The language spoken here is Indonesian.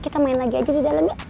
kita main lagi aja di dalam ya